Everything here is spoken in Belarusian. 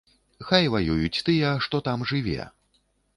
Хай ваююць тыя, што там жыве.